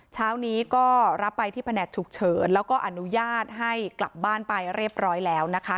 เช้านี้ก็รับไปที่แผนกฉุกเฉินแล้วก็อนุญาตให้กลับบ้านไปเรียบร้อยแล้วนะคะ